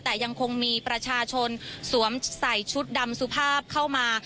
แต่ยังคงมีประชาชนสวมใส่ชุดดำสุภาพเข้ามา